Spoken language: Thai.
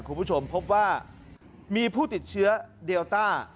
คุณผู้ชมพบว่ามีผู้ติดเชื้อเดลต้า